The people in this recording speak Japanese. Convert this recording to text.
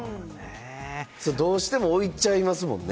どうしても置いちゃいますもんね。